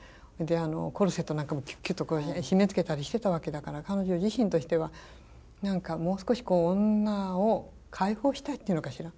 コルセットなんかもキュッキュッと締めつけたりしてたわけだから彼女自身としては何かもう少し女を解放したいっていうのかしら